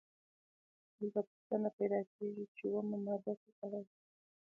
دلته پوښتنه پیدا کیږي چې اومه ماده څه ته وايي؟